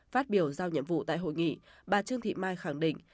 phát biểu giao nhiệm vụ tại hội nghị bà trương thị mai khẳng định